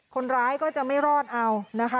คนร้ายก็จะไม่รอดเอานะคะ